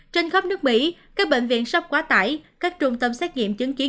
trên khắp nước mỹ các bệnh viện sắp quá tải các trung tâm xét nghiệm chứng kiến